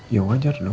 ya wajar dong